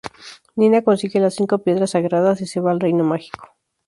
Nina consigue las cinco piedras sagradas y se va al Reino Mágico.